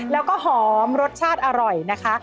แล้วก็หอมรสชาติอร่อยนะคะ